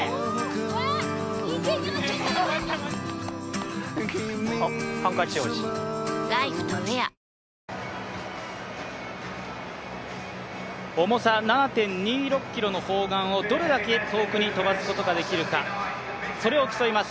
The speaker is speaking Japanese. ヒューマンヘルスケアのエーザイ重さ７．２６ｋｇの砲丸をどれだけ遠くに飛ばすことができるか、それを競います。